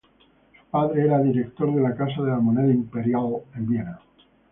Su padre era director de la casa de moneda imperial en Viena.